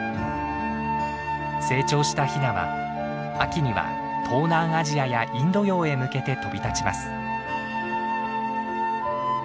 成長したヒナは秋には東南アジアやインド洋へ向けて飛び立ちます。